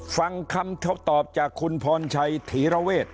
ฟังคำทบจากคุณพชัยถีรเวศ